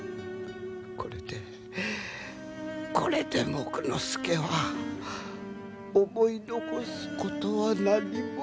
これでこれで木工助は思い残すことは何も。